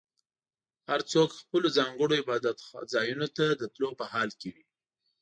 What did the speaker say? هر څوک خپلو ځانګړو عبادت ځایونو ته د تلو په حال کې وي.